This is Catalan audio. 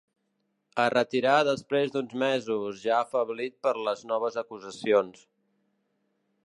Es retirà després d'uns mesos, ja afeblit per les noves acusacions.